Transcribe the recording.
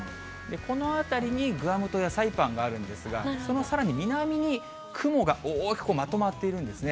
この辺りにグアム島やサイパンがあるんですが、そのさらに南に雲が大きくこうまとまっているんですね。